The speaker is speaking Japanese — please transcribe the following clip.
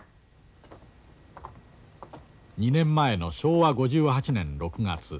２年前の昭和５８年６月。